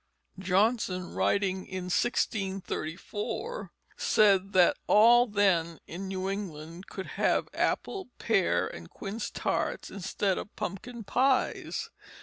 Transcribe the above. Johnson, writing in 1634, said that all then in New England could have apple, pear, and quince tarts instead of pumpkin pies.